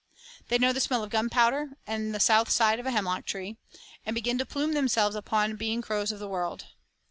They know the smell of gunpowder and the south side of a hemlock tree, and begin to plume themselves upon being crows of the world.